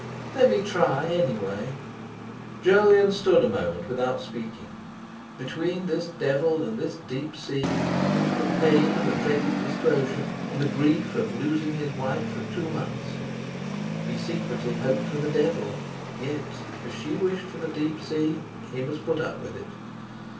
"Let me try, anyway." Jolyon stood a moment without speaking. Between this devil and this deep sea—the pain of a dreaded disclosure and the grief of losing his wife for two months—he secretly hoped for the devil; yet if she wished for the deep sea he must put up with it.